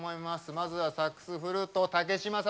まずはサックス、フルート武嶋聡。